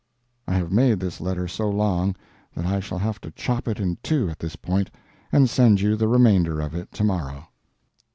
I have made this letter so long that I shall have to chop it in two at this point, and send you the remainder of it to morrow.